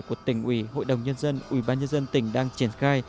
của tỉnh ủy hội đồng nhân dân ủy ban nhân dân tỉnh đang triển khai